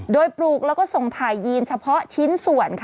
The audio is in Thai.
โดยปลูกแล้วก็ส่งถ่ายยีนเฉพาะชิ้นส่วน